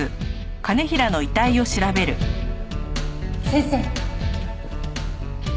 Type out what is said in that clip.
先生。